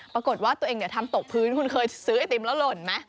ปรากฏว่าตัวเองทำตกพื้นคุณเคยซื้อไอติมแล้วหล่นไหม